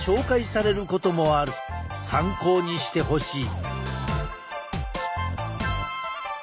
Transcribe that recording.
参考にしてほしい。